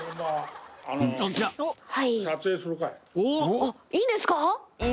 あっいいんですか？